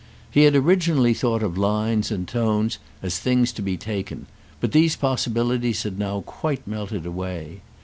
He had originally thought of lines and tones as things to be taken, but these possibilities had now quite melted away.